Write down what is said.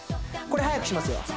これ速くします